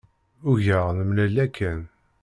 Ugaɣ nemlal yakan.